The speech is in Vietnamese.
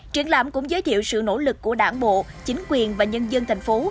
triển lãm cũng giới thiệu sự nỗ lực của đảng bộ chính quyền và nhân dân thành phố